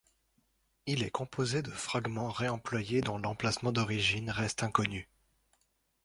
Il est composé de fragments réemployés dont l'emplacement d'origine reste inconnu.